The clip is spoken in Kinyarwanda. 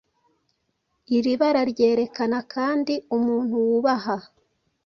Iri bara ryerekana kandi umuntu wubaha